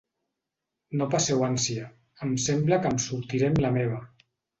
No passeu ànsia, em sembla que em sortiré amb la meva.